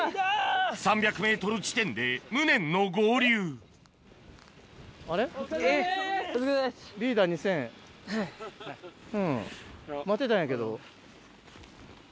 ３００ｍ地点で無念の合流待ってたんやけど。